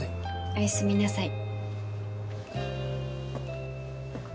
おやすみなさい。